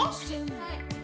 はい！